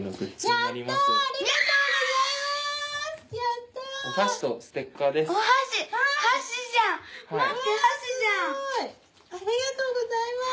ありがとうございます。